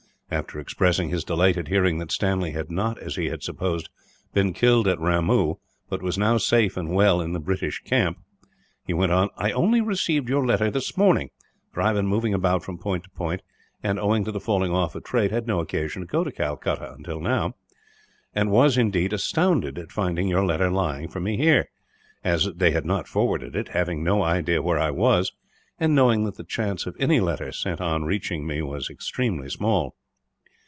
After expressing his delight at hearing that Stanley had not, as he had supposed, been killed at Ramoo, but was now safe and well in the British camp, he went on: "I only received your letter this morning, for I have been moving about from point to point and, owing to the falling off of trade, had no occasion to go to Calcutta, until now; and was, indeed, astounded at finding your letter lying for me here, as they had not forwarded it, having no idea where I was, and knowing that the chance of any letter sent on reaching me was extremely small.